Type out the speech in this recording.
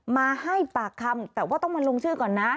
มาให้ปากคำแต่ว่าต้องมาลงชื่อก่อนนะ